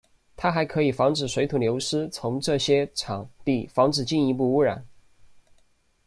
它还可以防止水土流失从这些场地防止进一步污染。